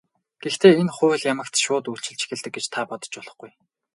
Гэхдээ энэ хууль ямагт шууд үйлчилж эхэлдэг гэж та бодож болохгүй.